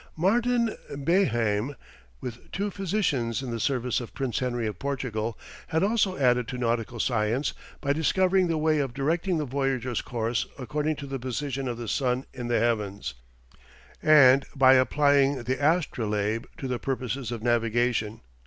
Martin Béhaim, with two physicians in the service of Prince Henry of Portugal, had also added to nautical science by discovering the way of directing the voyager's course according to the position of the sun in the heavens, and by applying the astrolabe to the purposes of navigation.